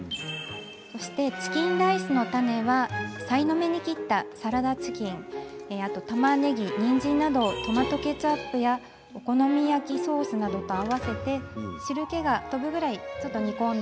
そしてチキンライスのタネはさいの目に切ったサラダチキンたまねぎにんじんなどをトマトケチャップやお好み焼きソースなどと合わせて汁けがとぶぐらいちょっと煮込んだらＯＫです。